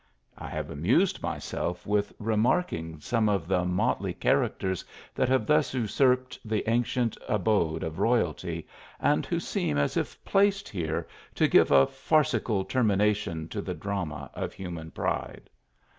I have amused myself with remarking some of the motley characters that have thus usurped the ancient abode of royalty, and who seem as if placed here to give a farcical termination to the drama of human pride.